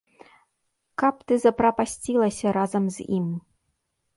Каб ты запрапасцілася разам з ім!